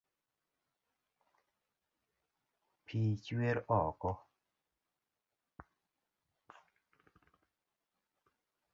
Pii chwer oko